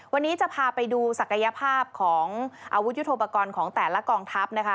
วันนี้จะพาไปดูศักยภาพของอาวุธยุทธโปรกรณ์ของแต่ละกองทัพนะคะ